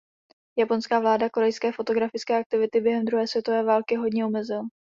Japonská vláda korejské fotografické aktivity během druhé světové války hodně omezila.